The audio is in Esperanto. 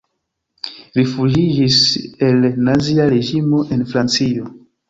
Rifuĝiĝis el nazia reĝimo en Francio.